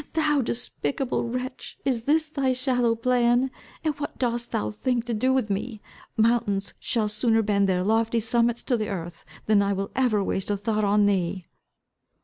"And thou despicable wretch, is this thy shallow plan? And what dost thou think to do with me? Mountains shall sooner bend their lofty summits to the earth, than I will ever waste a thought on thee."